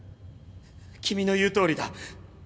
君の言うとおりだ。